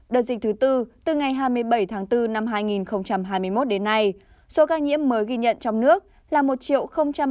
đợt dịch thứ bốn từ ngày hai mươi bảy tháng bốn năm hai nghìn hai mươi một đến nay số ca nhiễm mới ghi nhận trong nước là một ba mươi chín mươi sáu ca